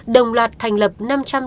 đồng loạt thành lập năm trăm linh trang